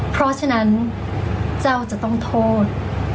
เพราะฉะนั้นเจ้าจะต้องโทษ